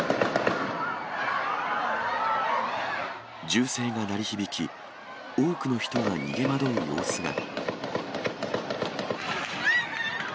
銃声が鳴り響き、多くの人が逃げ惑う様子が。